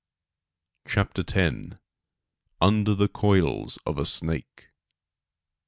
*CHAPTER X.* *Under the Coils of a Snake.